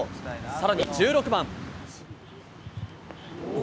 さらに１６番。